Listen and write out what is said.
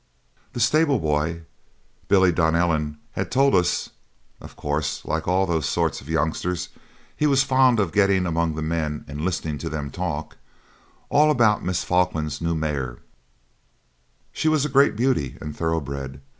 The stable boy, Billy Donnellan, had told us (of course, like all those sort of youngsters, he was fond of getting among the men and listening to them talk) all about Miss Falkland's new mare. She was a great beauty and thoroughbred.